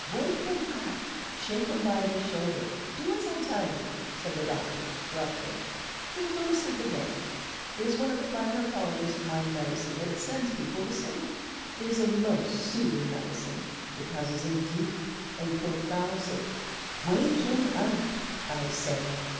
"Wake him up. Shake him by the shoulder. Do as I tell you," said the doctor, roughly. "He will go to sleep again. It is one of the finer qualities of my medicine that it sends people to sleep. It is a most soothing medicine. It causes a deep a profound sleep. Wake him up, I say."